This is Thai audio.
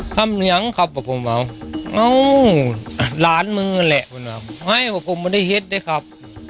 ทำยังครับว่าผมว่าอ้าวหลานมึงแหละมันว่าไม่ว่าผมมันได้เห็ดได้ครับ